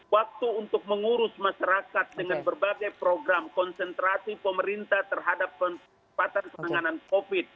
waktu untuk mengurus masyarakat dengan berbagai program konsentrasi pemerintah terhadap kesempatan penanganan covid sembilan belas ini saja